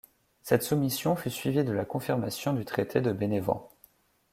Cette soumission fut suivie de la confirmation du Traité de Bénévent.